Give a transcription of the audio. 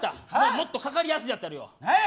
もっとかかりやすいやつやるよ。何や？